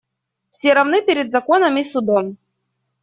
Все равны перед законом и судом.